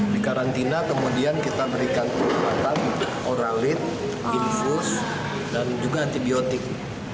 di karantina kemudian kita berikan kru batang oralit infus dan juga antibiotik